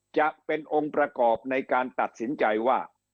จะเป็นองค์ประกอบในการตัดสินใจว่า